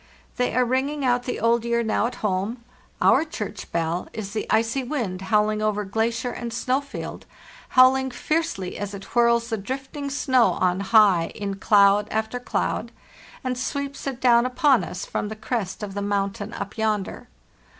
"They are ringing out the old year now at home. Our church bell is the icy wind howling over glacier and snow field, howling fiercely as it whirls the drifting snow on high in cloud after cloud, and sweeps it down upon us from the crest of the mountain up yonder.